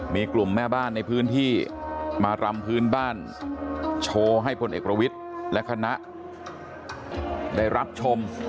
มีกลุ่มแม่บ้านในพื้นที่มารำพื้นบ้านโชว์ให้พลเอกประวิทย์และคณะได้รับชม